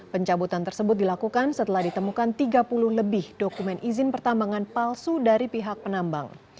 pencabutan tersebut dilakukan setelah ditemukan tiga puluh lebih dokumen izin pertambangan palsu dari pihak penambang